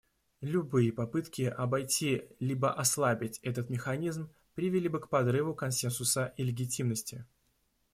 Любые попытки обойти либо ослабить этот механизм привели бы к подрыву консенсуса и легитимности.